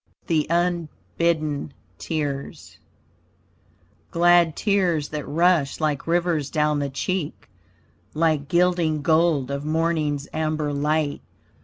THE UNBIDDEN TEARS Glad tears that rush like rivers down the cheek Like gilding gold of morning's amber light.